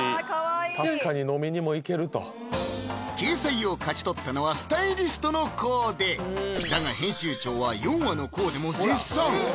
確かに飲みにも行けると掲載を勝ち取ったのはスタイリストのコーデだが編集長はヨンアのコーデも絶賛！